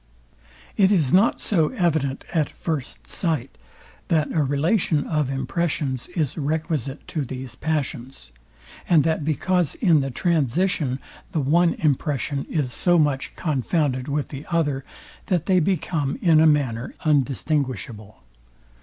It is not so evident at first sight, that a relation of impressions is requisite to these passions, and that because in the transition the one impression is so much confounded with the other, that they become in a manner undistinguishable.